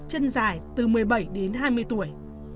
chân dài từ một mươi bảy đến hai mươi tuổi